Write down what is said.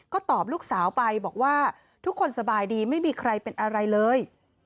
ก็ตอบลูกสาวไปบอกว่าทุกคนสบายดีไม่มีใครเป็นอะไรเลย